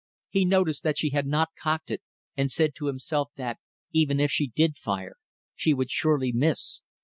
He noticed that she had not cocked it, and said to himself that, even if she did fire, she would surely miss.